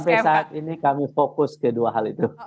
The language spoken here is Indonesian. sampai saat ini kami fokus ke dua hal itu